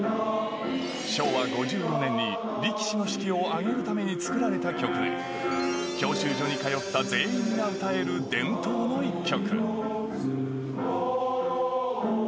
昭和５４年に力士の士気を上げるために作られた曲で教習所に通った全員が歌える伝統の一曲。